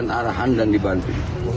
dan arahan dan dibantu